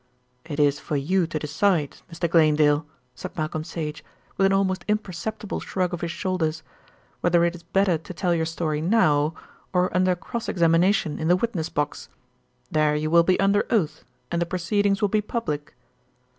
"It is for you to decide, Mr. Glanedale," said Malcolm Sage, with an almost imperceptible shrug of his shoulders, "whether it is better to tell your story now, or under cross examination in the witness box. There you will be under oath, and the proceedings will be public."